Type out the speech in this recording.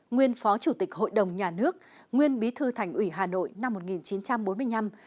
nguyên phó chủ tịch hội đồng nhà nước nguyên bí thư thành ủy hà nội năm một nghìn chín trăm bốn mươi năm